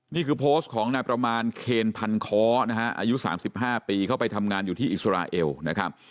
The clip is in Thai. นี่คือโพสต์ของนายประมาณเคนพันค้อนะฮะอายุ๓๕ปีเข้าไปทำงานอยู่ที่อิสราเอลนะครับ